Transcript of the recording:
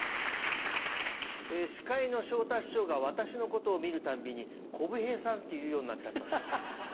司会の昇太師匠が私のことを見るたんびに「こぶ平さん」って言うようになっちゃったんですよ。